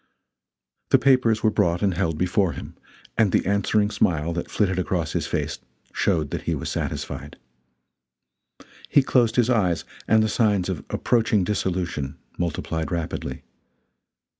The papers were brought and held before him, and the answering smile that flitted across his face showed that he was satisfied. He closed his eyes, and the signs of approaching dissolution multiplied rapidly.